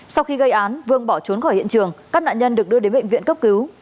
sau khi gây án vương bỏ trốn khỏi hiện trường các nạn nhân được đưa đến bệnh viện cấp cứu